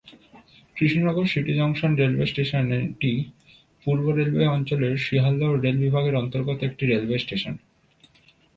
Krishnanagar city junction railway স্টেশনটি পূর্ব railway অঞ্চলের শিয়ালদহ রেল বিভাগের অন্তর্গত একটি রেলওয়ে স্টেশন।